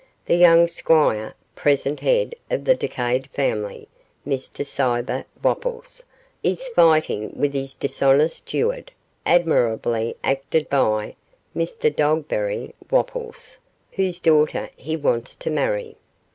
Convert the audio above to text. The young Squire, present head of the decayed family (Mr Cibber Wopples), is fighting with his dishonest steward (admirably acted by Mr Dogbery Wopples), whose daughter he wants to marry.